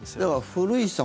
古市さん